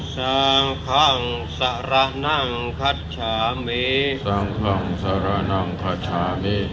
สังคังสาระนังขัชชามีถุติยัมปีพุทธภังสาระนังขัชชามี